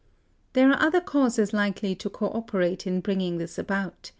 There are other causes likely to co operate in bringing this about.